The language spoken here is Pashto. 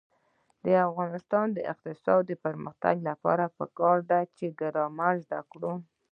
د افغانستان د اقتصادي پرمختګ لپاره پکار ده چې ګرامر زده کړو.